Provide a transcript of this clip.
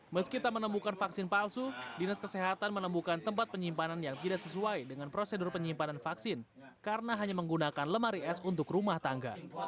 meski tak menemukan vaksin palsu dinas kesehatan menemukan tempat penyimpanan yang tidak sesuai dengan prosedur penyimpanan vaksin karena hanya menggunakan lemari es untuk rumah tangga